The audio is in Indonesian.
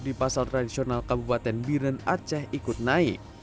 di pasar tradisional kabupaten biren aceh ikut naik